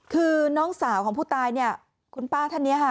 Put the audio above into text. คือน้องสาวของผู้ตายเนี่ยคุณป้าท่านนี้ค่ะ